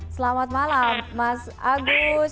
selamat malam mas agus